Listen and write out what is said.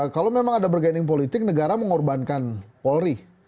kalau memang ada bergaining politik negara mengorbankan polri